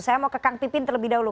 saya mau ke kang pipin terlebih dahulu